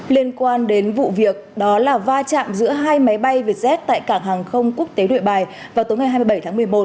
liên quan đến vụ việc đó là va chạm giữa hai máy bay vietjet tại cảng hàng không quốc tế nội bài vào tối ngày hai mươi bảy tháng một mươi một